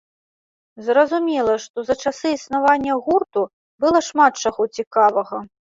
Зразумела, што за часы існавання гурту было шмат чаго цікавага.